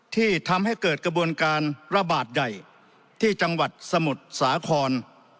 ที่ทำให้เกิดกระบวนการระบาดใหญ่ที่จังหวัดสมุทรสาคร